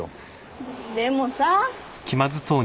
でもさ。